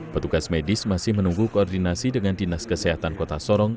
petugas medis masih menunggu koordinasi dengan dinas kesehatan kota sorong